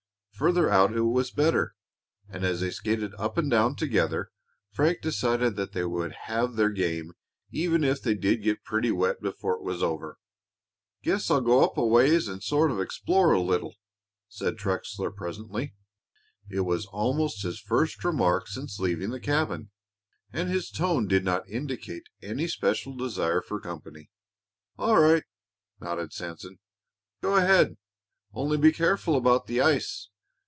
Farther out it was better, and as they skated up and down together Frank decided that they would have their game even if they did get pretty wet before it was over. "Guess I'll go up a ways and sort of explore a little," said Trexler, presently. It was almost his first remark since leaving the cabin, and his tone did not indicate any special desire for company. "All right," nodded Sanson. "Go ahead, only be careful about the ice.